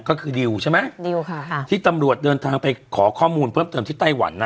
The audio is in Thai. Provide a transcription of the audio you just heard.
ก็คือดิวใช่ไหมดิวค่ะค่ะที่ตำรวจเดินทางไปขอข้อมูลเพิ่มเติมที่ไต้หวันนะ